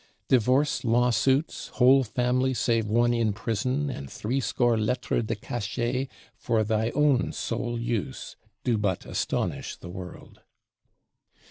Divorce law suits, "whole family save one in prison, and threescore lettres de cachet" for thy own sole use, do but astonish the world.